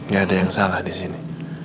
gak ada yang salah di sini